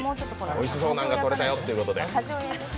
おいしそうなのがとれたよってことで。